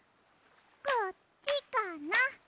こっちかな？